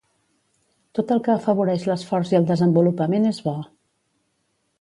Tot el que afavoreix l'esforç i el desenvolupament és bo.